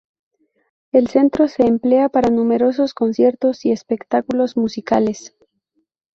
El centro se emplea para numerosos conciertos y espectáculos musicales.